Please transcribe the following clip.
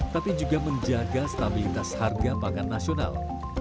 tapi juga menjaga stabilitas harga pangan nasional